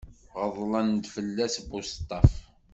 Γeḍlen-d fell-as buseṭṭaf.